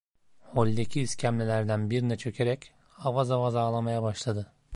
Holdeki iskemlelerden birine çökerek avaz avaz ağlamaya başladı.